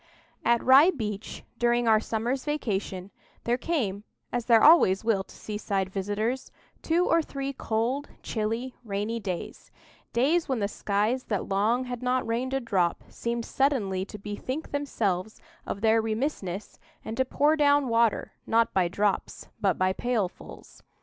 AT Rye Beach, during our summer's vacation, there came, as there always will to seaside visitors, two or three cold, chilly, rainy days,—days when the skies that long had not rained a drop seemed suddenly to bethink themselves of their remissness, and to pour down water, not by drops, but by pailfuls.